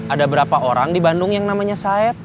ada berapa orang di bandung yang namanya saib